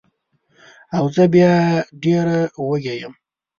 او زه بیا ډېره وږې یم